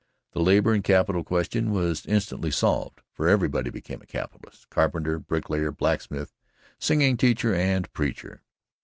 The labour and capital question was instantly solved, for everybody became a capitalist carpenter, brick layer, blacksmith, singing teacher and preacher.